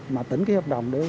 mà tỉnh ký hợp đồng